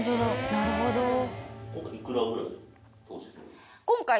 なるほど。